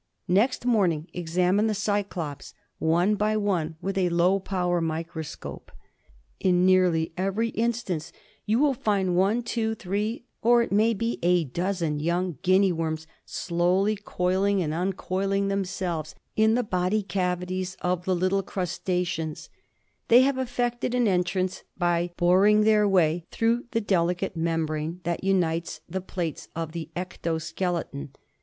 Next morning examine the cyclops one by one with a low power of the microscope. In nearly every instance you will find one, two, three, or it may be a dozen young Guinea worms slowly coil ing and uncoiling J ''Sa> ^'.^ rfffei'T'fet'^v f themselves in the I *^^^^^S^M^iB»i J body cavities of the ' li^SBH^Hnr little crustaceans. They have effected an entrance by bor ing their way throughthe delicate membrane that unites the plates of the ecto skeleton.